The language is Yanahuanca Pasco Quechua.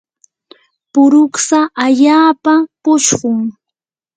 puruksa allaapa puchqun.